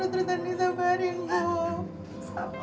kalo terus terusan disabarin bu